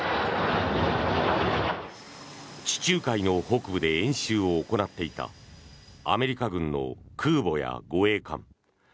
地中海の北部で演習を行っていたアメリカ軍の空母や護衛艦。